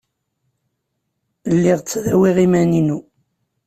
Lliɣ ttdawiɣ iman-inu.